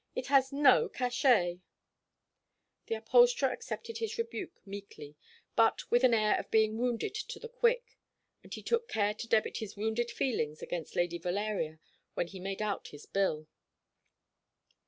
It has no cachet." The upholsterer accepted his rebuke meekly, but with an air of being wounded to the quick; and he took care to debit his wounded feelings against Lady Valeria when he made out his bill.